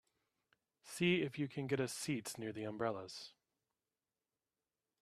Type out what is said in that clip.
See if you can get us seats near the umbrellas.